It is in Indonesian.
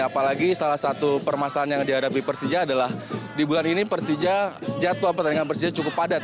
apalagi salah satu permasalahan yang dihadapi persija adalah di bulan ini persija jadwal pertandingan persija cukup padat